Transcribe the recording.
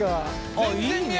あっいいね。